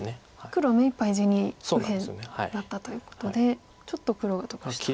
黒は目いっぱい地に右辺なったということでちょっと黒が得したんですね。